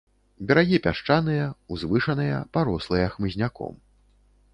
Берагі пясчаныя, узвышаныя, парослыя хмызняком.